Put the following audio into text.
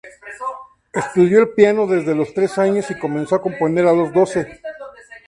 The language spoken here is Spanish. Estudió el piano desde los tres años y comenzó a componer a los doce.